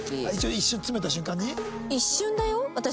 一瞬詰めた瞬間に？